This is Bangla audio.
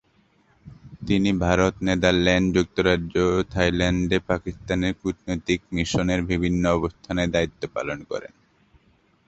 তিনি ভারত, নেদারল্যান্ড, যুক্তরাজ্য ও থাইল্যান্ডে পাকিস্তানের কূটনৈতিক মিশনের বিভিন্ন অবস্থানে দায়িত্ব পালন করেন।